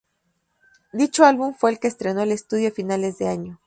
Dicho álbum fue el que estrenó el estudio a finales de año.